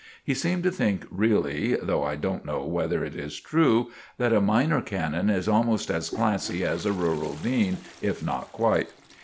He seemed to think really, though I don't know whether it is true, that a minor canon is almost as classy as a rural dean, if not quite.